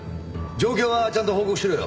状況はちゃんと報告しろよ。